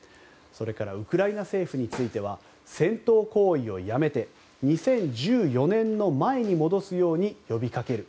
それからウクライナ政府については戦闘行為をやめて２０１４年の前に戻すように呼びかける。